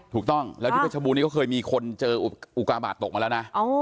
ถูกต้องแล้วที่เพชรบูรณนี้ก็เคยมีคนเจออุกาบาทตกมาแล้วนะ